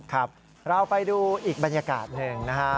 ครับเราไปดูอีกบรรยากาศหนึ่งนะฮะ